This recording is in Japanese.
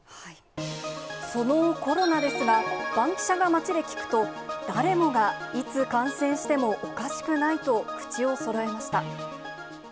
そのコロナですが、バンキシャが街で聞くと、誰もが、いつ感染してもおかしくないと口をそろえました。